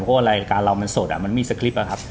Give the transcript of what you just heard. เพราะว่ารายการเรามันสดมันมีสคริปตอะครับ